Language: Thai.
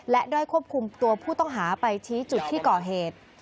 และได้ควบคุมตัวผู้ต้องหาไปชี้จุดที่ก่อเหตุ